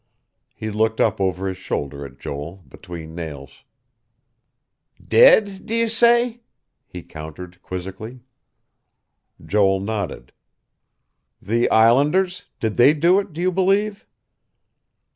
He looked up over his shoulder at Joel, between nails. "Dead, d'ye say?" he countered quizzically. Joel nodded. "The Islanders? Did they do it, do you believe?"